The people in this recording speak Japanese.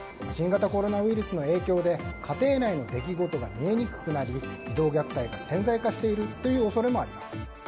新型コロナウイルスの影響で家庭内の出来事が見えにくくなり児童虐待が潜在化しているという恐れもあります。